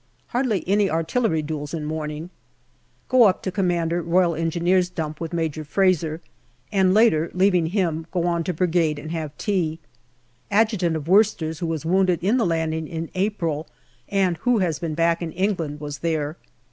Hardly any artillery duels in morning. Go up to C.R.E. dump with Major Eraser, and later, leaving him, go on to Brigade and have tea. Adjutant of Worcesters, who was wounded in the landing in April, and who has been back in England, was there.